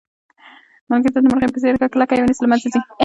ملګرتیا د مرغۍ په څېر ده که کلکه یې ونیسئ له منځه ځي.